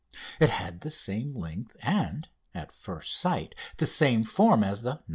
It had the same length and, at first sight, the same form as the "No.